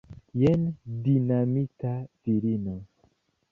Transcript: Jen dinamita virino!